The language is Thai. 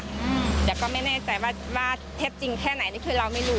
อืมแต่ก็ไม่แน่ใจว่าว่าเท็จจริงแค่ไหนนี่คือเราไม่รู้